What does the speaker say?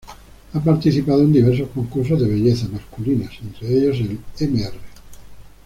Ha participado en diversos concursos de belleza masculina, entre ellos el Mr.